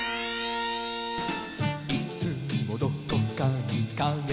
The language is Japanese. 「いつもどこかにかげがある」